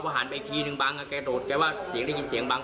หันไปอีกทีนึงบังแกโดดแกว่าเสียงได้ยินเสียงบัง